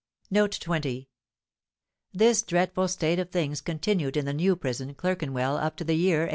Footnote 20: This dreadful state of things continued in the New Prison, Clerkenwell, up to the year 1838.